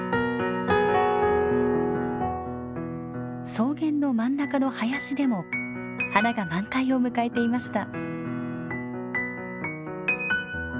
草原の真ん中の林でも花が満開を迎えていました。